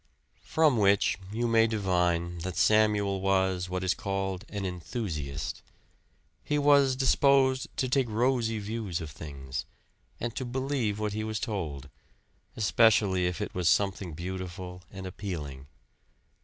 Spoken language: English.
From which you may divine that Samuel was what is called an Enthusiast. He was disposed to take rosy views of things, and to believe what he was told especially if it was something beautiful and appealing.